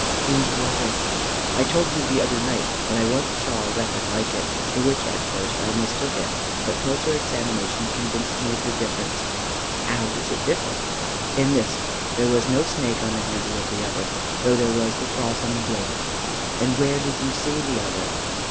"Whose was it?" "I told you the other night that I once saw a weapon like it, for which at first I mistook it, but closer examination convinced me of the difference." "How does it differ?" "In this. There was no snake on the handle of the other, though there was the cross on the blade." "And where did you see the other?"